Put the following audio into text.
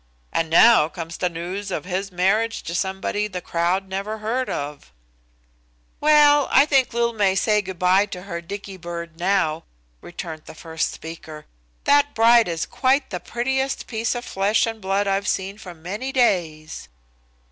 And now comes the news of his marriage to somebody the crowd never heard of." "Well, I think Lil may say good by to her Dicky bird now," returned the first speaker. "That bride is quite the prettiest piece of flesh and blood I've seen for many days."